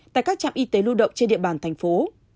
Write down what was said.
tại các trạm y tế lưu động trên địa bàn thành phố